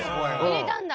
入れたんだ！